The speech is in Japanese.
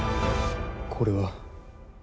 これは。